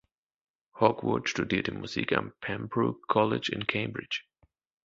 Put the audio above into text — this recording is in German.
Hogwood studierte Musik am Pembroke College in Cambridge.